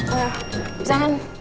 oh ya jalan